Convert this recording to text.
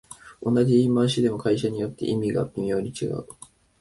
同じ言い回しでも会社によって意味が微妙に違う